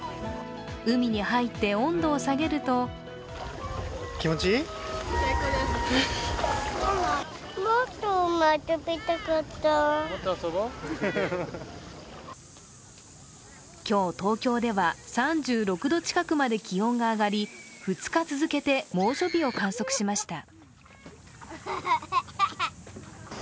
海に入って温度を下げると今日、東京では３６度近くまで気温が上がり２日続けて猛暑日を観測しました。